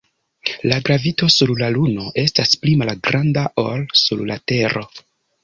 La gravito sur la Luno estas pli malgranda ol sur la Tero.